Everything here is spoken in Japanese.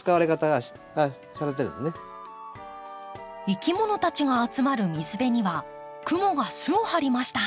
いきものたちが集まる水辺にはクモが巣をはりました。